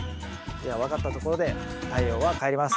では分かったところで太陽は帰ります。